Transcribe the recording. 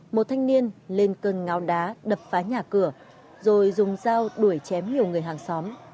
một thanh niên lên cơn ngáo đá đập phá nhà cửa rồi dùng dao đuổi chém nhiều người hàng xóm